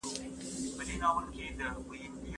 ایا افغان سوداګر خندان پسته صادروي؟